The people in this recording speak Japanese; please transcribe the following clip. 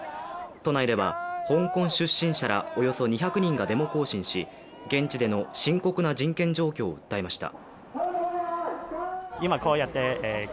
都内では、香港出身者らおよそ２００人がデモ行進し現地での深刻な人権状況を訴えました。